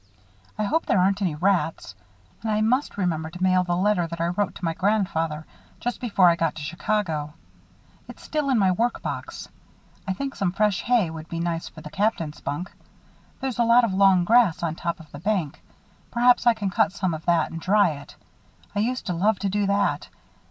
I hope there aren't any rats. And I must remember to mail the letter that I wrote to my grandfather just before I got to Chicago. It's still in my work box. I think some fresh hay would be nice for the Captain's bunk. There's a lot of long grass on top of the bank perhaps I can cut some of that and dry it. I used to love to do that.